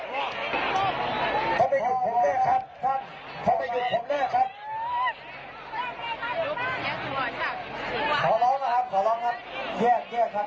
เขาไปหยุดผมแน่ครับท่านเขาไปหยุดผมแน่ครับ